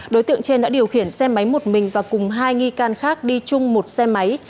đối tượng trên đã điều khiển xe máy một mình và cùng hai nghi can khác đi chung một xe máy